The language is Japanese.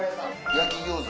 焼き餃子。